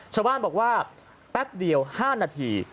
ชาวบ้านบอกว่าแป๊บเดียว๕นาที